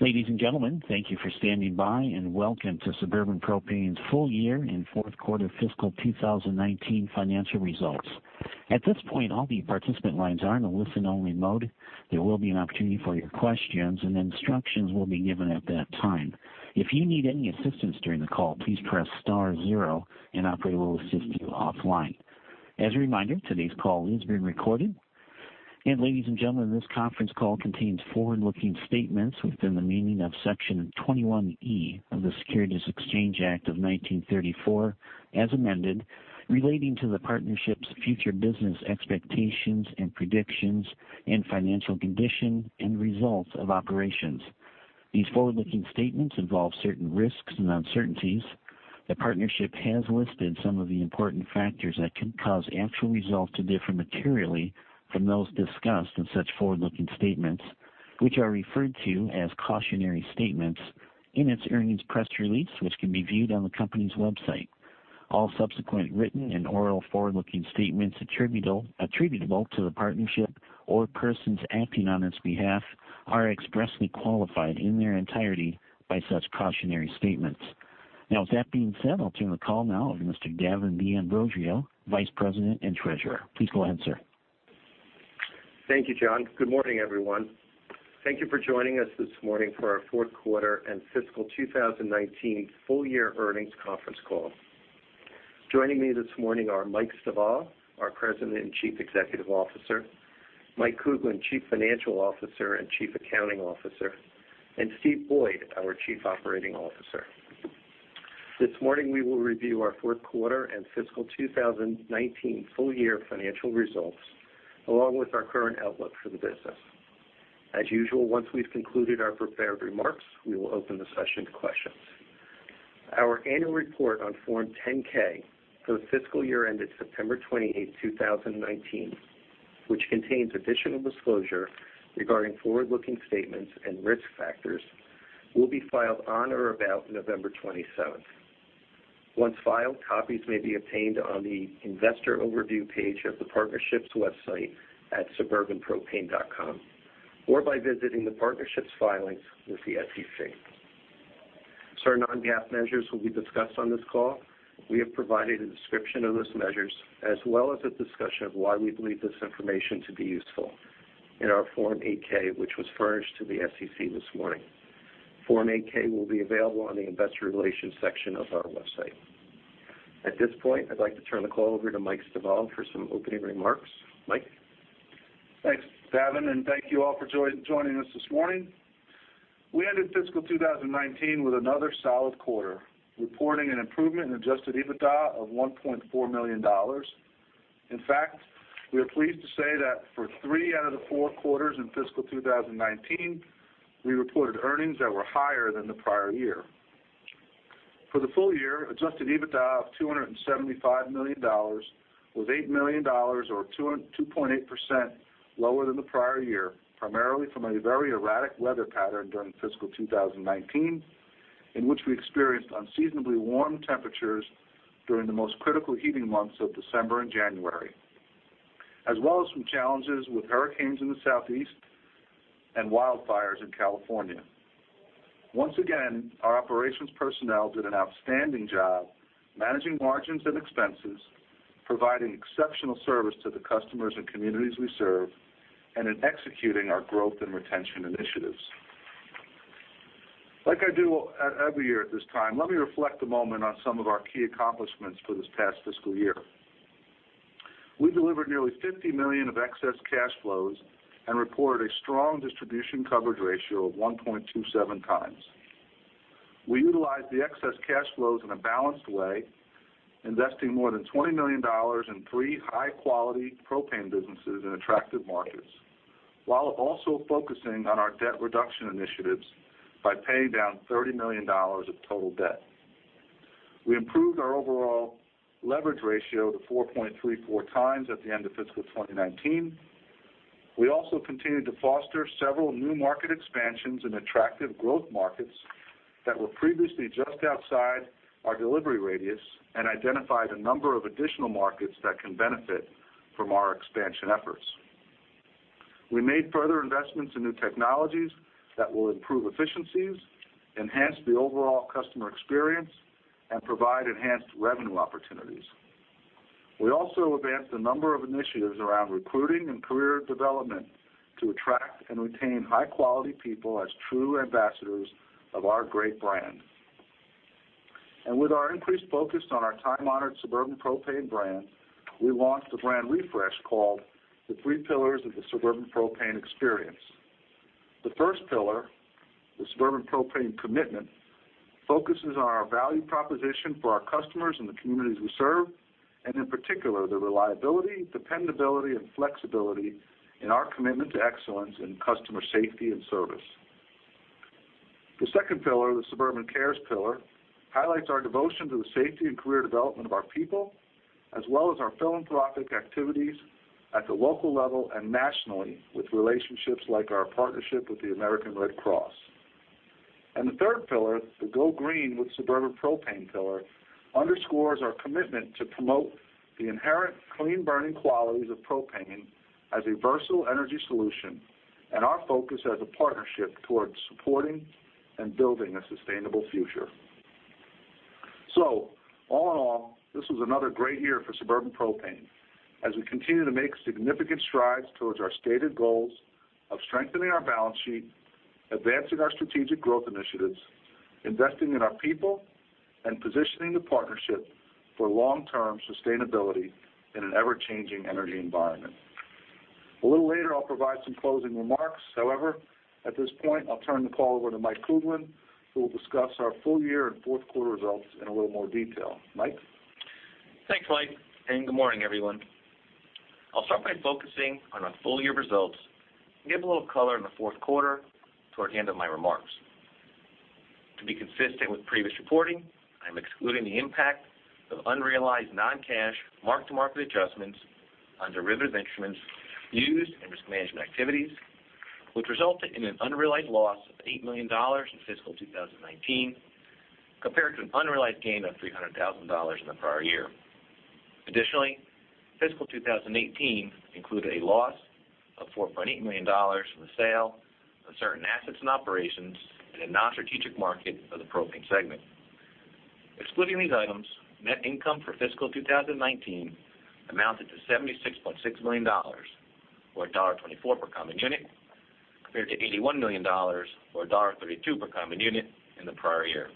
Ladies and gentlemen, thank you for standing by, and welcome to Suburban Propane's full year and fourth quarter fiscal 2019 financial results. At this point, all the participant lines are in a listen-only mode. There will be an opportunity for your questions, and instructions will be given at that time. If you need any assistance during the call, please press star zero, and an operator will assist you offline. As a reminder, today's call is being recorded. Ladies and gentlemen, this conference call contains forward-looking statements within the meaning of Section 21E of the Securities Exchange Act of 1934, as amended, relating to the partnership's future business expectations and predictions and financial condition and results of operations. These forward-looking statements involve certain risks and uncertainties. The partnership has listed some of the important factors that could cause actual results to differ materially from those discussed in such forward-looking statements, which are referred to as cautionary statements in its earnings press release, which can be viewed on the company's website. All subsequent written and oral forward-looking statements attributable to the partnership or persons acting on its behalf are expressly qualified in their entirety by such cautionary statements. With that being said, I'll turn the call now over to Mr. Davin D'Ambrosio, Vice President and Treasurer. Please go ahead, sir. Thank you, John. Good morning, everyone. Thank you for joining us this morning for our fourth quarter and fiscal 2019 full-year earnings conference call. Joining me this morning are Mike Stivala, our President and Chief Executive Officer, Mike Kuglin, Chief Financial Officer and Chief Accounting Officer, and Steve Boyd, our Chief Operating Officer. This morning, we will review our fourth quarter and fiscal 2019 full-year financial results, along with our current outlook for the business. As usual, once we've concluded our prepared remarks, we will open the session to questions. Our annual report on Form 10-K for the fiscal year ended September 28, 2019, which contains additional disclosure regarding forward-looking statements and risk factors, will be filed on or about November 27th. Once filed, copies may be obtained on the investor overview page of the partnership's website at suburbanpropane.com or by visiting the partnership's filings with the SEC. Certain non-GAAP measures will be discussed on this call. We have provided a description of those measures as well as a discussion of why we believe this information to be useful in our Form 8-K, which was furnished to the SEC this morning. Form 8-K will be available on the investor relations section of our website. At this point, I'd like to turn the call over to Mike Stivala for some opening remarks. Mike? Thanks, Davin, and thank you all for joining us this morning. We ended fiscal 2019 with another solid quarter, reporting an improvement in adjusted EBITDA of $1.4 million. In fact, we are pleased to say that for three out of the four quarters in fiscal 2019, we reported earnings that were higher than the prior year. For the full year, adjusted EBITDA of $275 million was $8 million, or 2.8% lower than the prior year, primarily from a very erratic weather pattern during fiscal 2019, in which we experienced unseasonably warm temperatures during the most critical heating months of December and January, as well as some challenges with hurricanes in the Southeast and wildfires in California. Once again, our operations personnel did an outstanding job managing margins and expenses, providing exceptional service to the customers and communities we serve, and in executing our growth and retention initiatives. Like I do every year at this time, let me reflect a moment on some of our key accomplishments for this past fiscal year. We delivered nearly $50 million of excess cash flows and reported a strong distribution coverage ratio of 1.27 times. We utilized the excess cash flows in a balanced way, investing more than $20 million in three high-quality propane businesses in attractive markets, while also focusing on our debt reduction initiatives by paying down $30 million of total debt. We improved our overall leverage ratio to 4.34 times at the end of fiscal 2019. We also continued to foster several new market expansions in attractive growth markets that were previously just outside our delivery radius and identified a number of additional markets that can benefit from our expansion efforts. We made further investments in new technologies that will improve efficiencies, enhance the overall customer experience, and provide enhanced revenue opportunities. We also advanced a number of initiatives around recruiting and career development to attract and retain high-quality people as true ambassadors of our great brand. With our increased focus on our time-honored Suburban Propane brand, we launched a brand refresh called The Three Pillars of the Suburban Propane Experience. The first pillar, the Suburban Commitment, focuses on our value proposition for our customers and the communities we serve, and in particular, the reliability, dependability, and flexibility in our commitment to excellence in customer safety and service. The second pillar, the SuburbanCares pillar, highlights our devotion to the safety and career development of our people, as well as our philanthropic activities at the local level and nationally with relationships like our partnership with the American Red Cross. The third pillar, the Go Green with Suburban Propane pillar, underscores our commitment to promote the inherent clean-burning qualities of propane as a versatile energy solution and our focus as a partnership towards supporting and building a sustainable future. All in all, this was another great year for Suburban Propane as we continue to make significant strides towards our stated goals of strengthening our balance sheet, advancing our strategic growth initiatives, investing in our people, and positioning the partnership for long-term sustainability in an ever-changing energy environment. A little later, I'll provide some closing remarks. However, at this point, I'll turn the call over to Mike Kuglin, who will discuss our full year and fourth quarter results in a little more detail. Mike? Thanks, Mike. Good morning, everyone. I'll start by focusing on our full-year results and give a little color on the fourth quarter toward the end of my remarks. To be consistent with previous reporting, I'm excluding the impact of unrealized non-cash mark-to-market adjustments on derivative instruments used in risk management activities, which resulted in an unrealized loss of $8 million in fiscal 2019 compared to an unrealized gain of $300,000 in the prior year. Additionally, fiscal 2018 included a loss of $4.8 million from the sale of certain assets and operations in a non-strategic market for the propane segment. Excluding these items, net income for fiscal 2019 amounted to $76.6 million, or $1.24 per common unit, compared to $81 million, or $1.32 per common unit in the prior year.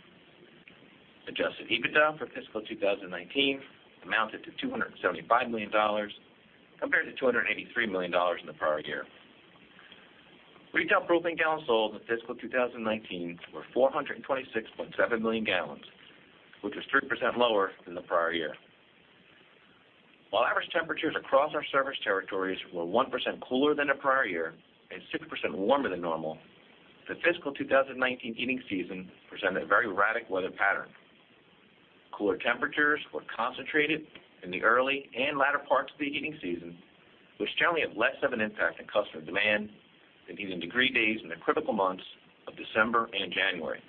Adjusted EBITDA for fiscal 2019 amounted to $275 million, compared to $283 million in the prior year. Retail propane gallons sold in fiscal 2019 were 426.7 million gallons, which was 3% lower than the prior year. While average temperatures across our service territories were 1% cooler than the prior year and 6% warmer than normal, the fiscal 2019 heating season presented a very erratic weather pattern. Cooler temperatures were concentrated in the early and latter parts of the heating season, which generally have less of an impact on customer demand than heating degree days in the critical months of December and January.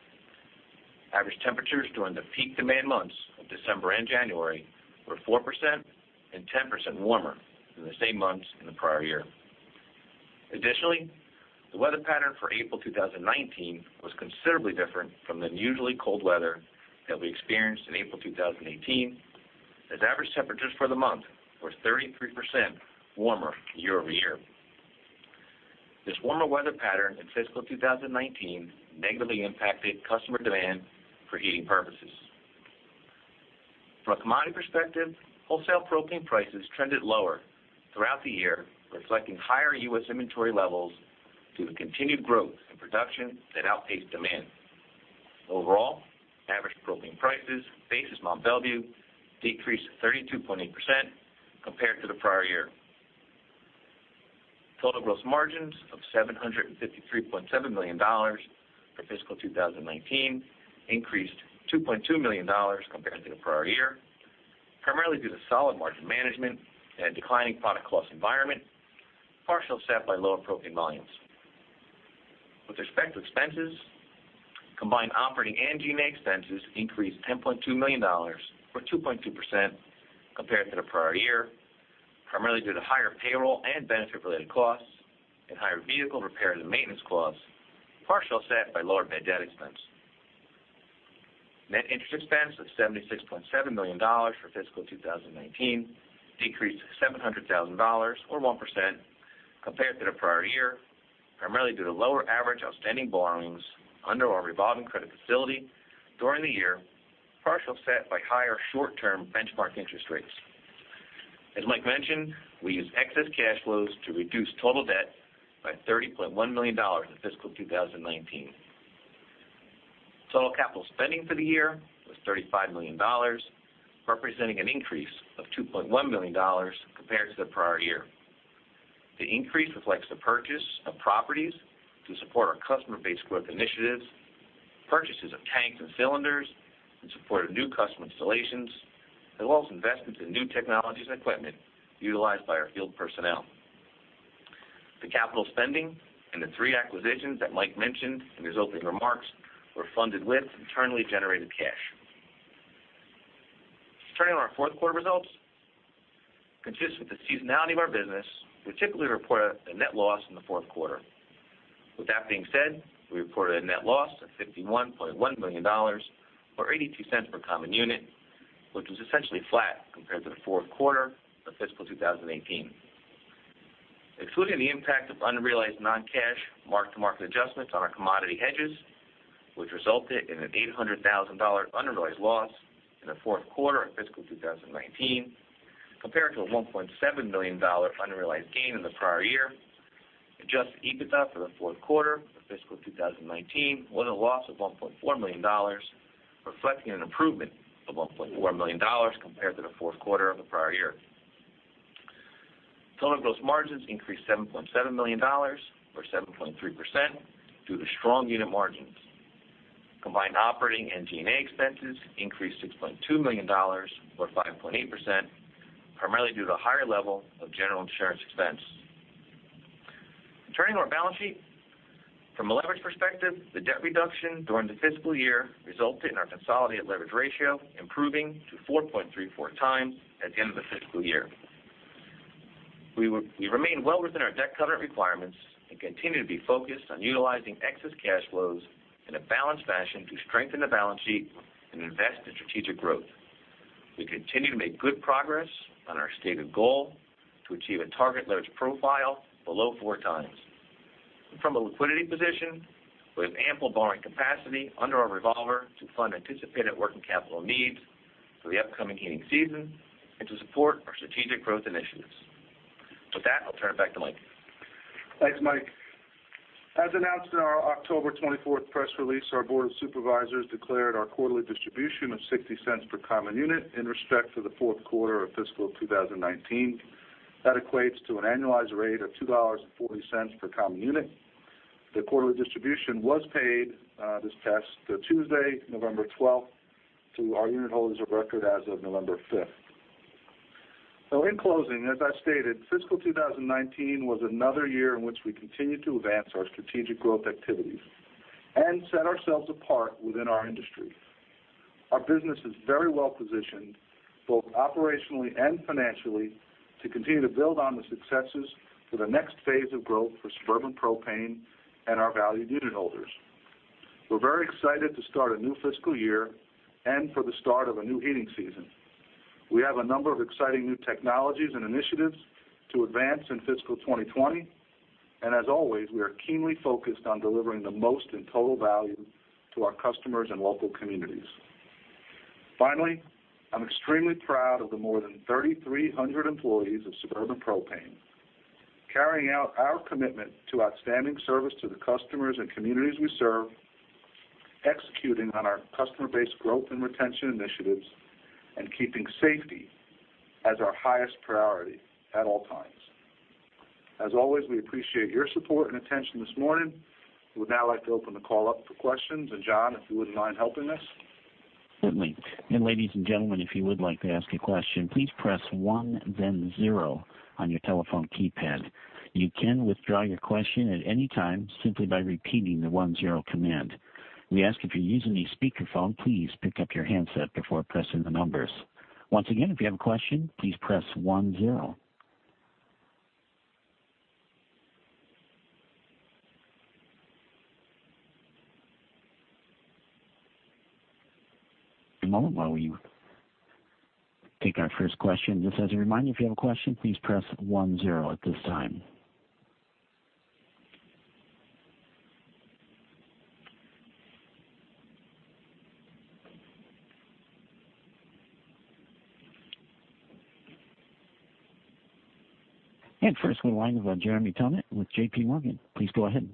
Average temperatures during the peak demand months of December and January were 4% and 10% warmer than the same months in the prior year. Additionally, the weather pattern for April 2019 was considerably different from the usually cold weather that we experienced in April 2018, as average temperatures for the month were 33% warmer year-over-year. This warmer weather pattern in fiscal 2019 negatively impacted customer demand for heating purposes. From a commodity perspective, wholesale propane prices trended lower throughout the year, reflecting higher U.S. inventory levels due to continued growth in production that outpaced demand. Overall, average propane prices, basis Mont Belvieu, decreased 32.8% compared to the prior year. Total gross margins of $753.7 million for fiscal 2019 increased $2.2 million compared to the prior year, primarily due to solid margin management and a declining product cost environment, partially offset by lower propane volumes. With respect to expenses, combined operating and G&A expenses increased $10.2 million, or 2.2%, compared to the prior year, primarily due to higher payroll and benefit-related costs and higher vehicle repair and maintenance costs, partially offset by lower bad debt expense. Net interest expense of $76.7 million for fiscal 2019 decreased $700,000, or 1%, compared to the prior year, primarily due to lower average outstanding borrowings under our revolving credit facility during the year, partially offset by higher short-term benchmark interest rates. As Mike mentioned, we used excess cash flows to reduce total debt by $30.1 million in fiscal 2019. Total capital spending for the year was $35 million, representing an increase of $2.1 million compared to the prior year. The increase reflects the purchase of properties to support our customer base growth initiatives, purchases of tanks and cylinders in support of new customer installations, as well as investments in new technologies and equipment utilized by our field personnel. The capital spending and the three acquisitions that Mike mentioned in his opening remarks were funded with internally generated cash. Turning to our fourth quarter results, consistent with the seasonality of our business, we typically report a net loss in the fourth quarter. With that being said, we reported a net loss of $51.1 million, or $0.82 per common unit, which was essentially flat compared to the fourth quarter of fiscal 2018. Excluding the impact of unrealized non-cash mark-to-market adjustments on our commodity hedges, which resulted in an $800,000 unrealized loss in the fourth quarter of fiscal 2019 compared to a $1.7 million unrealized gain in the prior year, adjusted EBITDA for the fourth quarter of fiscal 2019 was a loss of $1.4 million, reflecting an improvement of $1.4 million compared to the fourth quarter of the prior year. Total gross margins increased $7.7 million, or 7.3%, due to strong unit margins. Combined operating and G&A expenses increased $6.2 million, or 5.8%, primarily due to the higher level of general insurance expense. Turning to our balance sheet. From a leverage perspective, the debt reduction during the fiscal year resulted in our consolidated leverage ratio improving to 4.34 times at the end of the fiscal year. We remain well within our debt covenant requirements and continue to be focused on utilizing excess cash flows in a balanced fashion to strengthen the balance sheet and invest in strategic growth. We continue to make good progress on our stated goal to achieve a target leverage profile below four times. From a liquidity position, with ample borrowing capacity under our revolver to fund anticipated working capital needs for the upcoming heating season and to support our strategic growth initiatives. With that, I'll turn it back to Mike. Thanks, Mike. As announced in our October 24th press release, our board of supervisors declared our quarterly distribution of $0.60 per common unit in respect to the fourth quarter of fiscal 2019. That equates to an annualized rate of $2.40 per common unit. The quarterly distribution was paid this past Tuesday, November 12th, to our unit holders of record as of November 5th. In closing, as I stated, fiscal 2019 was another year in which we continued to advance our strategic growth activities and set ourselves apart within our industry. Our business is very well positioned, both operationally and financially, to continue to build on the successes for the next phase of growth for Suburban Propane and our valued unit holders. We're very excited to start a new fiscal year and for the start of a new heating season. We have a number of exciting new technologies and initiatives to advance in fiscal 2020, and as always, we are keenly focused on delivering the most in total value to our customers and local communities. Finally, I'm extremely proud of the more than 3,300 employees of Suburban Propane, carrying out our commitment to outstanding service to the customers and communities we serve, executing on our customer base growth and retention initiatives, and keeping safety as our highest priority at all times. As always, we appreciate your support and attention this morning. We would now like to open the call up for questions. John, if you wouldn't mind helping us. Certainly. Ladies and gentlemen, if you would like to ask a question, please press one then zero on your telephone keypad. You can withdraw your question at any time simply by repeating the one-zero command. We ask if you're using a speakerphone, please pick up your handset before pressing the numbers. Once again, if you have a question, please press one zero. One moment while we take our first question. Just as a reminder, if you have a question, please press one zero at this time. First we'll go to the line of Jeremy Tonet with JPMorgan. Please go ahead.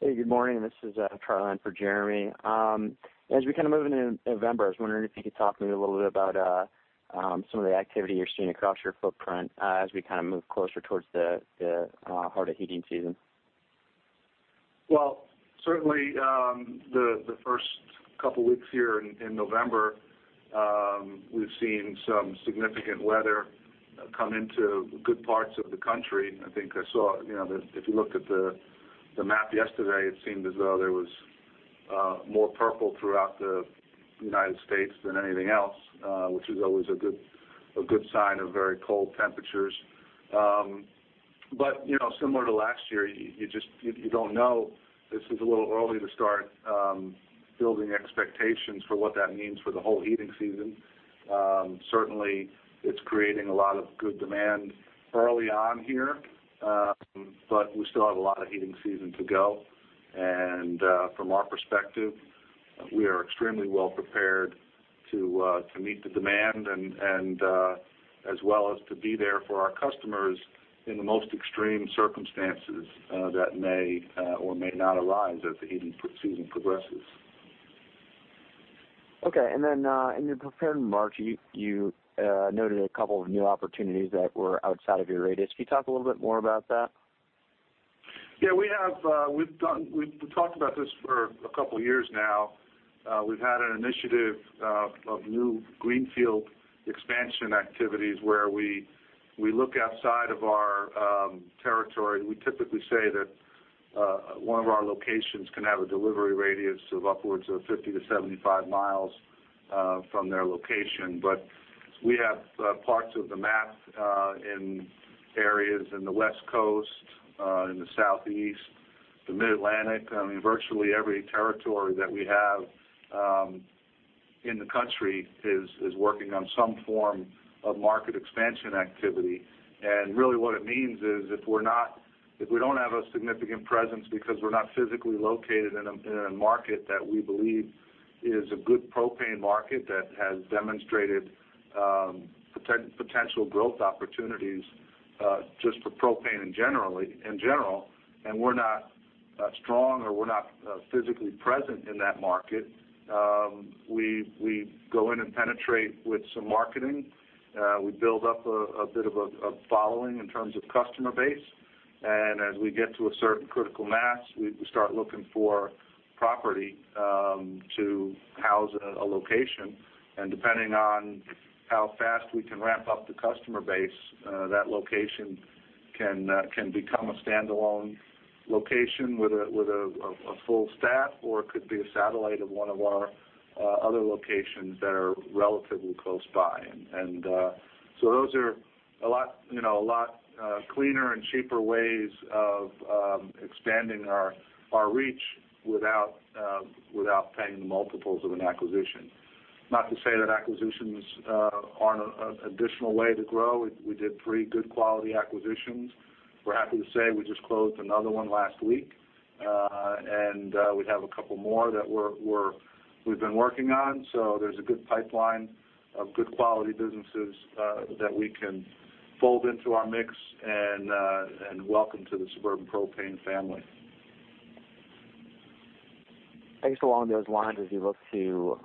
Hey, good morning. This is Charlie in for Jeremy. As we kind of move into November, I was wondering if you could talk maybe a little bit about some of the activity you're seeing across your footprint as we kind of move closer towards the heart of heating season. Well, certainly, the first couple of weeks here in November, we've seen some significant weather come into good parts of the country. I think I saw, if you looked at the map yesterday, it seemed as though there was more purple throughout the United States than anything else, which is always a good sign of very cold temperatures. Similar to last year, you don't know. This is a little early to start building expectations for what that means for the whole heating season. Certainly, it's creating a lot of good demand early on here. We still have a lot of heating season to go. From our perspective, we are extremely well prepared to meet the demand and as well as to be there for our customers in the most extreme circumstances that may or may not arise as the heating season progresses. Okay. In your prepared remarks, you noted a couple of new opportunities that were outside of your radius. Can you talk a little bit more about that? Yeah. We've talked about this for a couple of years now. We've had an initiative of new greenfield expansion activities where we look outside of our territory. We typically say that one of our locations can have a delivery radius of upwards of 50 to 75 miles from their location. We have parts of the map in areas in the West Coast, in the Southeast, the Mid-Atlantic. I mean, virtually every territory that we have in the country is working on some form of market expansion activity. Really what it means is if we don't have a significant presence because we're not physically located in a market that we believe is a good propane market that has demonstrated potential growth opportunities, just for propane in general, and we're not strong or we're not physically present in that market, we go in and penetrate with some marketing. We build up a bit of a following in terms of customer base. As we get to a certain critical mass, we start looking for property to house a location. Depending on how fast we can ramp up the customer base, that location can become a standalone location with a full staff, or it could be a satellite of one of our other locations that are relatively close by. Those are a lot cleaner and cheaper ways of expanding our reach without paying the multiples of an acquisition. Not to say that acquisitions aren't an additional way to grow. We did three good quality acquisitions. We're happy to say we just closed another one last week. We have a couple more that we've been working on. There's a good pipeline of good quality businesses that we can fold into our mix and welcome to the Suburban Propane family. I guess along those lines, as you look to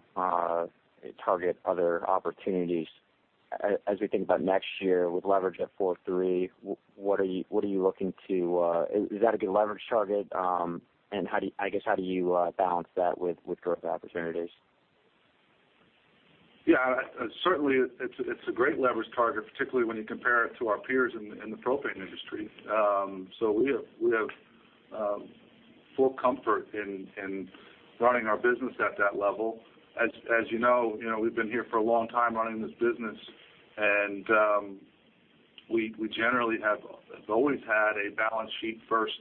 target other opportunities, as we think about next year with leverage at 4.3, is that a good leverage target? I guess how do you balance that with growth opportunities? Yeah. Certainly, it's a great leverage target, particularly when you compare it to our peers in the propane industry. We have full comfort in running our business at that level. As you know, we've been here for a long time running this business, and we generally have always had a balance sheet first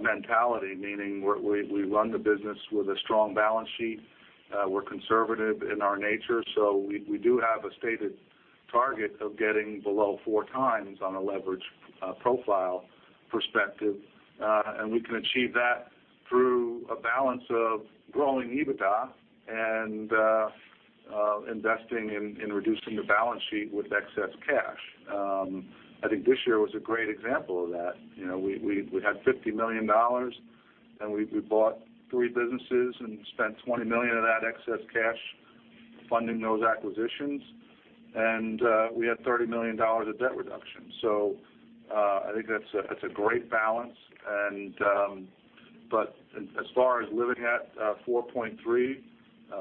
mentality, meaning we run the business with a strong balance sheet. We're conservative in our nature. We do have a stated target of getting below 4 times on a leverage profile perspective. We can achieve that through a balance of growing EBITDA and investing in reducing the balance sheet with excess cash. I think this year was a great example of that. We had $50 million, and we bought three businesses and spent $20 million of that excess cash funding those acquisitions. We had $30 million of debt reduction. I think that's a great balance. As far as living at 4.3,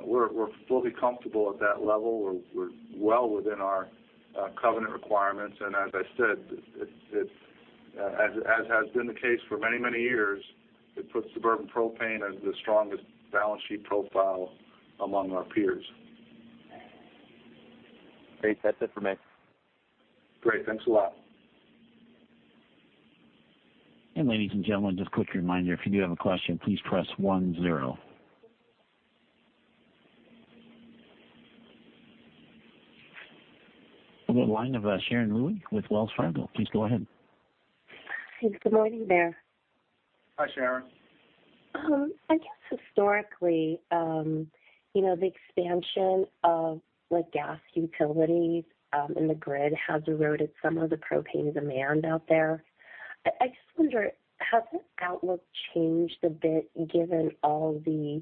we're fully comfortable at that level. We're well within our covenant requirements. As I said, as has been the case for many years, it puts Suburban Propane as the strongest balance sheet profile among our peers. Great. That's it for me. Great. Thanks a lot. Ladies and gentlemen, just a quick reminder, if you do have a question, please press 10. We'll go to the line of Sharon Lui with Wells Fargo. Please go ahead. Good morning, Bear. Hi, Sharon. I guess historically, the expansion of gas utilities in the grid has eroded some of the propane demand out there. I just wonder, has the outlook changed a bit given all the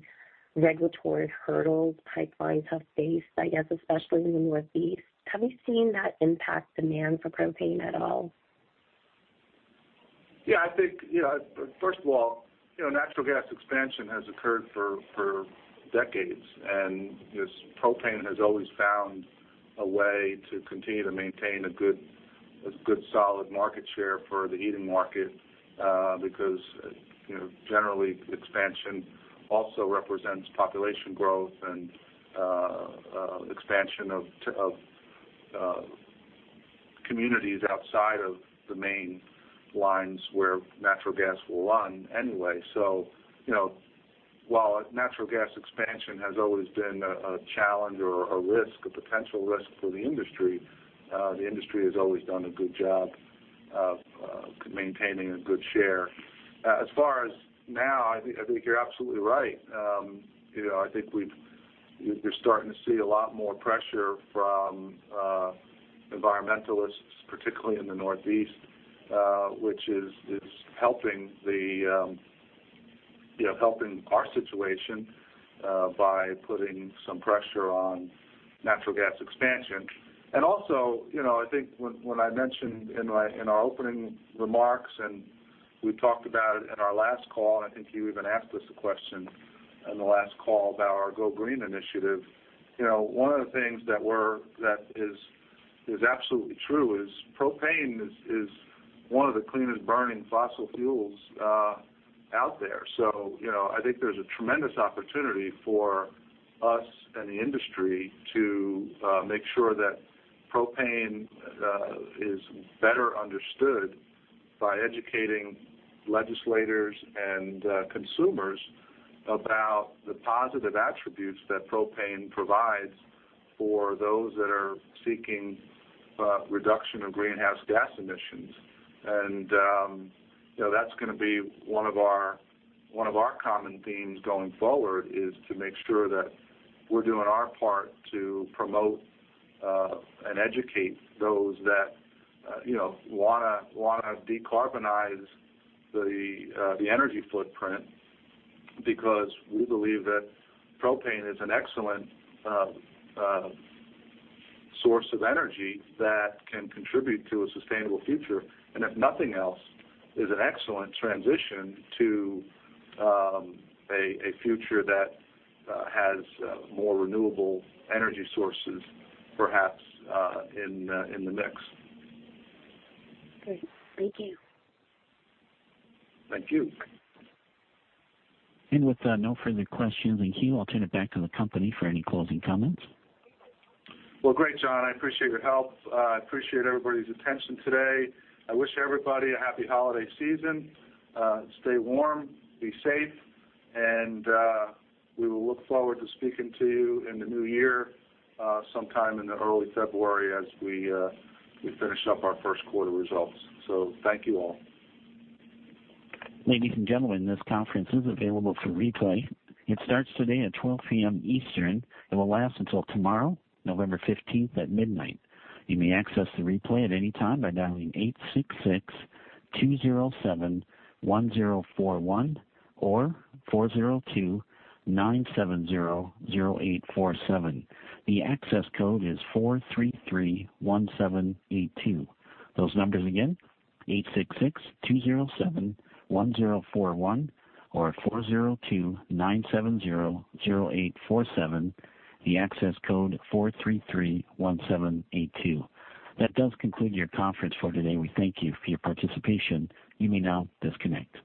regulatory hurdles pipelines have faced, I guess especially in the Northeast? Have you seen that impact demand for propane at all? Yeah. I think, first of all, natural gas expansion has occurred for decades. Propane has always found a way to continue to maintain a good solid market share for the heating market, because generally expansion also represents population growth and expansion of communities outside of the main lines where natural gas will run anyway. While natural gas expansion has always been a challenge or a potential risk for the industry, the industry has always done a good job of maintaining a good share. As far as now, I think you're absolutely right. I think we're starting to see a lot more pressure from environmentalists, particularly in the Northeast, which is helping our situation by putting some pressure on natural gas expansion. I think when I mentioned in our opening remarks, and we talked about it in our last call, and I think you even asked us a question on the last call about our Go Green initiative. One of the things that is absolutely true is propane is one of the cleanest burning fossil fuels out there. I think there's a tremendous opportunity for us and the industry to make sure that propane is better understood by educating legislators and consumers about the positive attributes that propane provides for those that are seeking a reduction of greenhouse gas emissions. That's going to be one of our common themes going forward, is to make sure that we're doing our part to promote and educate those that want to decarbonize the energy footprint. We believe that propane is an excellent source of energy that can contribute to a sustainable future, and if nothing else, is an excellent transition to a future that has more renewable energy sources, perhaps, in the mix. Great. Thank you. Thank you. With no further questions in queue, I'll turn it back to the company for any closing comments. Well, great, John. I appreciate your help. I appreciate everybody's attention today. I wish everybody a happy holiday season. Stay warm, be safe, and we will look forward to speaking to you in the new year, sometime in early February as we finish up our first quarter results. Thank you all. Ladies and gentlemen, this conference is available for replay. It starts today at 12:00 P.M. Eastern and will last until tomorrow, November 15th at midnight. You may access the replay at any time by dialing 866-207-1041 or 402-970-0847. The access code is 4331782. Those numbers again, 866-207-1041 or 402-970-0847. The access code, 4331782. That does conclude your conference for today. We thank you for your participation. You may now disconnect.